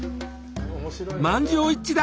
満場一致だ。